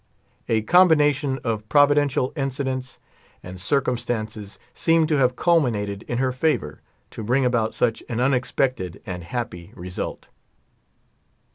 A combination of providential incidents and circumstances seem to have culminated in her favor to bring about such an unexpected and happ3' result.